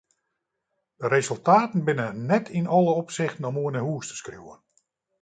De resultaten binne net yn alle opsichten om oer nei hús te skriuwen.